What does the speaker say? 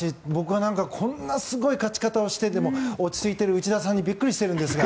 こんなすごい勝ち方をしても落ち着いている内田さんにビックリしてるんですが。